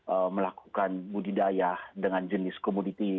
dan mereka sudah melakukan budidaya dengan jenis komoditi